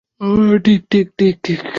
ঠিক, ঠিক।